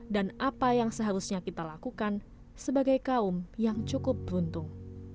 dan apa yang seharusnya kita lakukan sebagai kaum yang cukup beruntung